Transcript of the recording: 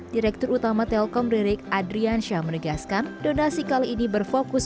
direktur utama telkom ririk adriansyah menegaskan donasi kali ini berfokus